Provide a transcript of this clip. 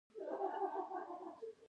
ایا زما پښتورګي به ښه شي؟